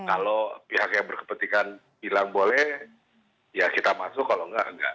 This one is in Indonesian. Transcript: kalau pihak yang berkepentingan bilang boleh ya kita masuk kalau enggak enggak